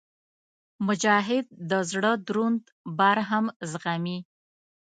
مجاهد د زړه دروند بار هم زغمي.